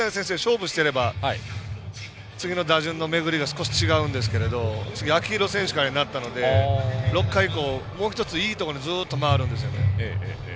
梶谷選手と勝負してれば巡りが違うんですが次、秋広選手からいったので６回以降、もう１ついいところにずっと回るんですよ。